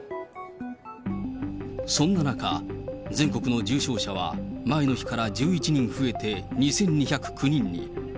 そんな中、全国の重症者は前の日から１１人増えて２２０９人に。